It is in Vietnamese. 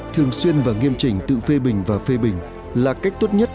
thường xuyên và nghiêm trình tự phê bình và phê bình là cách tốt nhất